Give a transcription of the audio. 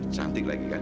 cantik lagi kan